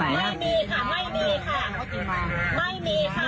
ไม่มีค่ะไม่มีค่ะ